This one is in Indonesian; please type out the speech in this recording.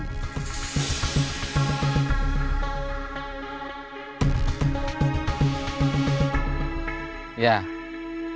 dikejar oleh aldebaran